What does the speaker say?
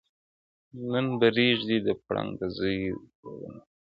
نن به ریږدي د فرنګ د زوی ورنونه؛